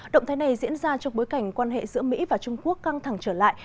động thái này diễn ra trong bối cảnh quan hệ giữa mỹ và trung quốc căng thẳng trở lại